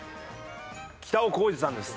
北尾光司さんです。